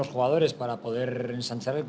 kita juga bisa berpengaruh